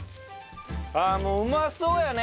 ああもううまそうやね。